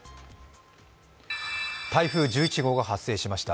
台風１１号が発生しました。